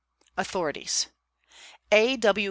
AUTHORITIES. A. W.